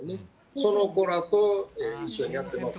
その子らと一緒にやってます。